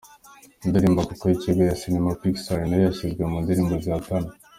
Indirimbo Coco y’ikigo cya sinema Pixar nayo yashyizwe mu ndirimbo zihatana.